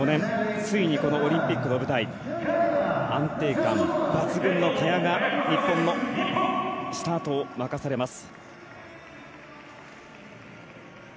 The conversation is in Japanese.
ついにこのオリンピックの舞台安定感抜群の萱が日本のスタートを任されます。